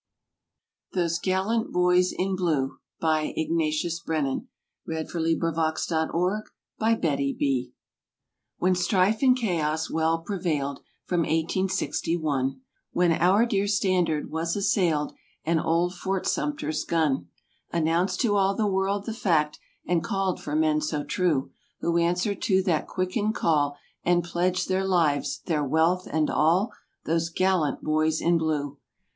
But stronger grow as time goes on each Fourth of old July. THOSE GALLANT BOYS IN BLUE When strife and chaos well prevailed From eighteen sixty one; When our dear standard was assailed And Old Fort Sumpter's gun Announced to all the world the fact And called for men so true— Who answered to that quickened call And pledged their lives; their wealth and all ? Those gallant "Boys in Blue!"